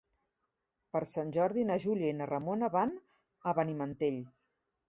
Per Sant Jordi na Júlia i na Ramona van a Benimantell.